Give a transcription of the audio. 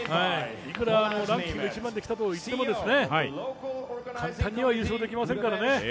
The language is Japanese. いくらランキング１番で来たといっても簡単には優勝できませんからね。